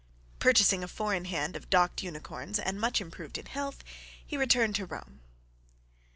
Purchasing a four in hand of docked unicorns, and much improved in health, he returned to Rome.